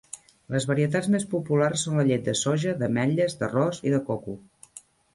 Les varietats més populars són la llet de soja, d'ametlles, d'arròs i de coco.